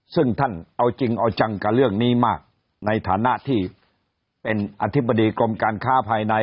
ซึ่งท่านเอาจริงเอาจังกับเรื่องนี้มากในฐานะที่เป็นอธิบดีกรมการค้าภายใน